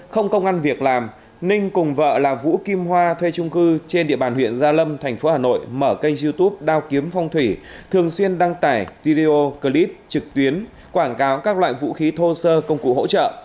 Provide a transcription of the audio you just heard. không công an việc làm ninh cùng vợ là vũ kim hoa thuê trung cư trên địa bàn huyện gia lâm thành phố hà nội mở kênh youtube đao kiếm phong thủy thường xuyên đăng tải video clip trực tuyến quảng cáo các loại vũ khí thô sơ công cụ hỗ trợ